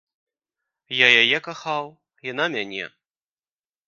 Я яе кахаў, яна мяне.